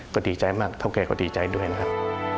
ก็ดีใจมากเท่าแก่ก็ดีใจด้วยนะครับ